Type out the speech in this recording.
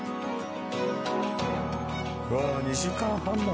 うわあ２時間半も。